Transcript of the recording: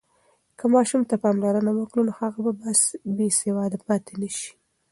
که ماشوم ته پاملرنه وکړو، نو هغه به بېسواده پاتې نه سي.